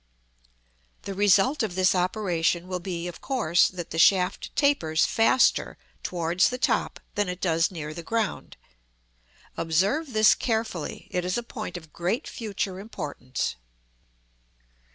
The result of this operation will be of course that the shaft tapers faster towards the top than it does near the ground. Observe this carefully; it is a point of great future importance.